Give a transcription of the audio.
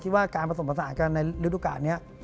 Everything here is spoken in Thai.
ผมคิดว่าการผสมประสานกันในฤดุกาลนี้